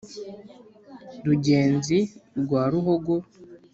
rugenzi rwa ruhogo